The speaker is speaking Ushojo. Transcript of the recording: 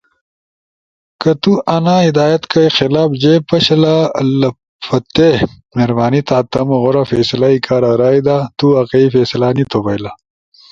کہ تو انا ہدایات کائی خلاف جے پشلا لپھاتی، مہربانی تھا تمو غورا فیصلہ ئی کارا رائے دا۔ تو واقعی فیصلہ نی تھو بئیلا،